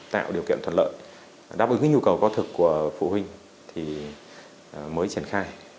tạo điều kiện thuận lợi đáp ứng cái nhu cầu có thực của phụ huynh thì mới triển khai